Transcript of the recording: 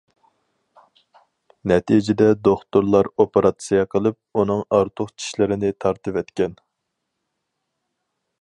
نەتىجىدە، دوختۇرلار ئوپېراتسىيە قىلىپ، ئۇنىڭ ئارتۇق چىشلىرىنى تارتىۋەتكەن.